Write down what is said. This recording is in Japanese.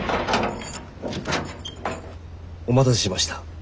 お待たせしました。